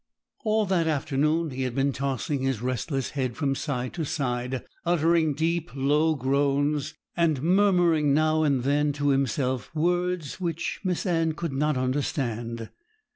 All that afternoon he had been tossing his restless head from side to side, uttering deep, low groans, and murmuring now and then to himself words which Miss Anne could not understand.